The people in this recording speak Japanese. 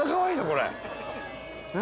これ。